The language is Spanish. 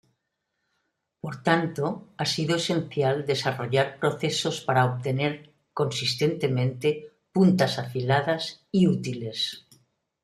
Por tanto ha sido esencial desarrollar procesos para obtener consistentemente puntas afiladas y útiles.